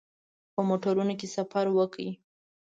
په موټرونو کې سفر وکړ.